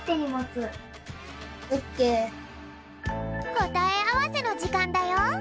こたえあわせのじかんだよ。